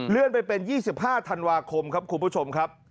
เลือกเลื่อนไป๒๕ธันวาคมครับคุณผู้ชม